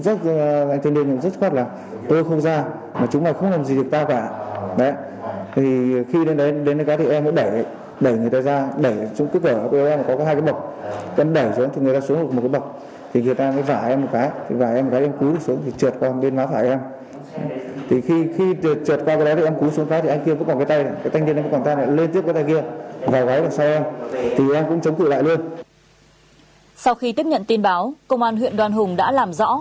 sau khi tiếp nhận tin báo công an huyện đoàn hùng đã làm rõ